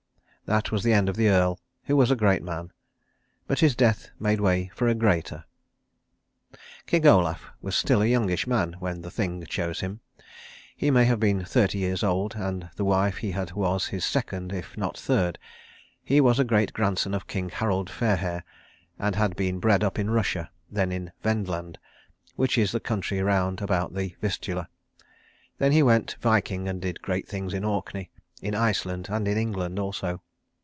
That was the end of the Earl, who was a great man. But his death made way for a greater. King Olaf was still a youngish man when the Thing chose him. He may have been thirty years old, and the wife he had was his second, if not third. He was a great grandson of King Harold Fairhair, and had been bred up in Russia, then in Vendland, which is the country round about the Vistula; then he went viking and did great things in Orkney, in Iceland and in England also.